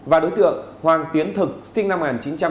và đối tượng hoàng tiến thực sinh năm một nghìn chín trăm tám mươi